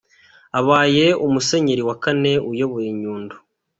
Abaye umusenyeri wa kane uyoboye Nyundo.